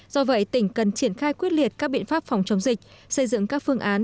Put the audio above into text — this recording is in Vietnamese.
do vậy tỉnh cần triển khai quyết liệt các biện pháp phòng chống dịch xây dựng các phương án